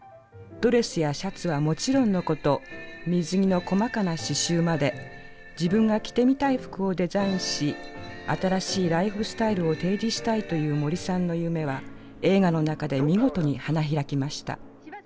ドレスやシャツはもちろんのこと水着の細かな刺しゅうまで自分が着てみたい服をデザインし新しいライフスタイルを提示したいという森さんの夢は映画の中で見事に花開きました。